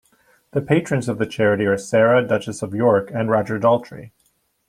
The patrons of the charity are Sarah, Duchess of York and Roger Daltrey.